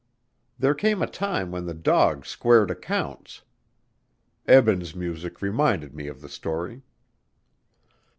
There came a time when the dog squared accounts. Eben's music reminded me of the story."